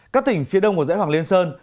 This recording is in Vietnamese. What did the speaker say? các tỉnh phía đông của dãy hoàng liên sơn